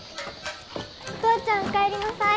お父ちゃんお帰りなさい！